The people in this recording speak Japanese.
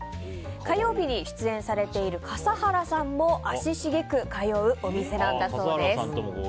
火曜日に出演されている笠原さんも足しげく通うお店なんだそうです。